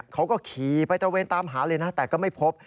เขาก็ขี่ไปตระเวนตามหาเลยนะแต่ก็ไม่พบ